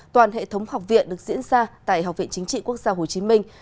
toàn hệ thống học viện được diễn ra tại học viện chính trị quốc gia hồ chí minh